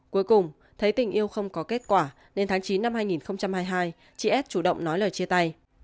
cuối cùng thấy tình yêu không có kết quả nên tháng chín năm hai nghìn hai mươi hai chị s chủ động nói lời chia tay